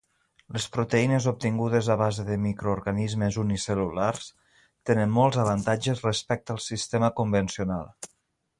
Les proteïnes obtingudes a base de microorganismes unicel·lulars tenen molts avantatges respecte al sistema convencional.